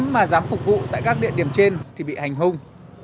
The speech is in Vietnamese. mà dám phục vụ tại các địa điểm trên thì bị hành hung